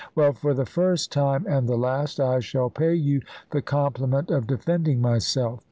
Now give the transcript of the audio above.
Well, for the first time and the last, I shall pay you the compliment of defending myself.